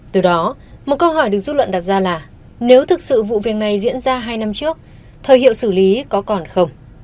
từ đó một câu hỏi được dư luận đặt ra là nếu thực sự vụ việc này diễn ra hai năm trước thời hiệu xử lý có còn không